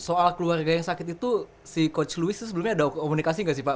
soal keluarga yang sakit itu si coach louis itu sebelumnya ada komunikasi nggak sih pak